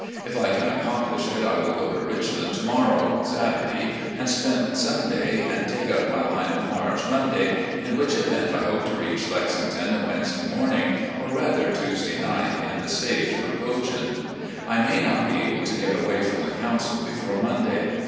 If I can accomplish it, I will go to 'Richland' to morrow, Saturday, and spend Srmday, and take up my line of march Monday, in which event I hope to reach Lexington Wednesday morning, or rather Tuesday night, in the stage from (>oshen. I may not be able to get away from the council before Monday.